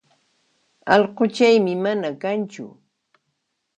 Allquchaymi mana kanchu